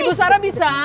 ibu sarah bisa